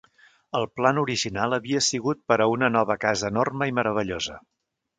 El plan original havia sigut per a una nova casa enorme i meravellosa.